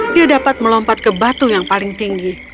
dia dapat melompat ke batu yang paling tinggi